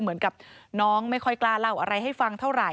เหมือนกับน้องไม่ค่อยกล้าเล่าอะไรให้ฟังเท่าไหร